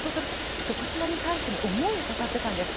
こちらに対しての思いを語っていたんです。